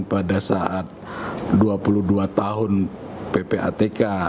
pada saat dua puluh dua tahun ppatk